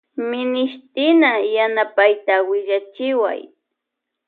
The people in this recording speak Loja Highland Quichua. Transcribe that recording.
Minishtina yanapayta willachiway.